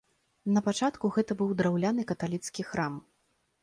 Напачатку гэта быў драўляны каталіцкі храм.